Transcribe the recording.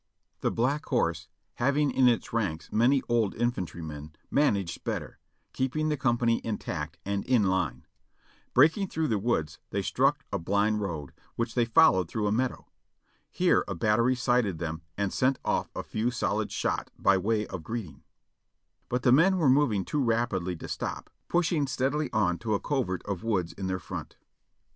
The Black Horse, having in its ranks many old infantrymen, managed better, keeping the company intact and in line. Break ing through the woods they struck a blind road, which they fol lowed through a meadow. Here a battery sighted them and sent off a few solid shot by w^ay of greeting, but the men were moving too rapidly to stop, pushing steadily on to a covert of woods in their front.